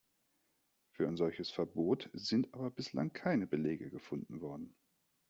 Für ein solches Verbot sind aber bislang keine Belege gefunden worden.